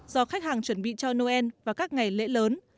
do khách hàng chuẩn bị cho noel và các ngày lễ lớn